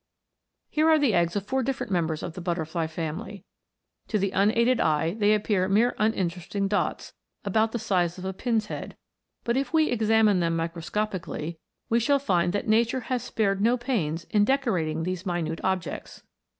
Here are the eggs of four different members of the butterfly family. To the unaided eye they appear mere un interesting dots, about the size of a pin's head, but if we examine them microscopically, we shall find that nature has spared no pains in decorating these minute objects.